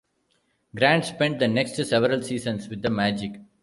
Grant spent the next several seasons with the Magic.